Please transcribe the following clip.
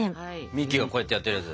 ミッキーがこうやってやってるやつ。